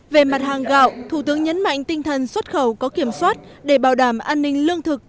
về mặt hàng gạo thủ tướng nhấn mạnh tinh thần xuất khẩu có kiểm soát để bảo đảm an ninh lương thực